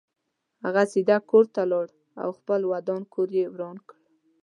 هغه سیده کور ته ولاړ او خپل ودان کور یې وران کړ.